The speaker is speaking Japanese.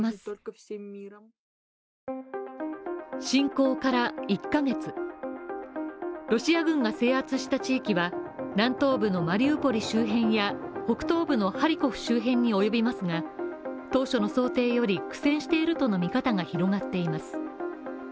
侵攻から１カ月、ロシア軍が制圧した地域は、南東部のマリウポリ周辺や北東部のハリコフ周辺に及びますが当初の想定より苦戦しているとの見方が広がっています。